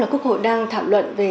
là quốc hội đang thảo luận về